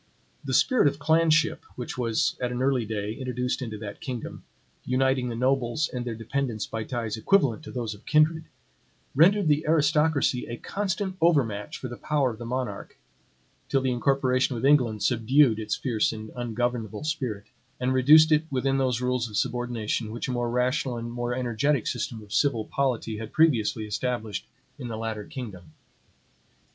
The spirit of clanship which was, at an early day, introduced into that kingdom, uniting the nobles and their dependants by ties equivalent to those of kindred, rendered the aristocracy a constant overmatch for the power of the monarch, till the incorporation with England subdued its fierce and ungovernable spirit, and reduced it within those rules of subordination which a more rational and more energetic system of civil polity had previously established in the latter kingdom.